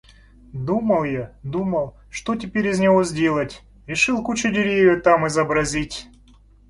Думал я, думал, что теперь из него сделать, решил кучу деревьев там изобразить...